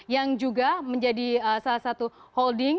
yang juga menjadi salah satu holding